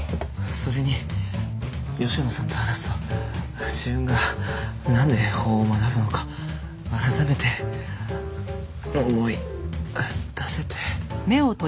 それに吉野さんと話すと自分がなんで法を学ぶのか改めて思い出せて。